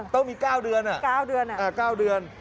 ต้องมี๙เดือน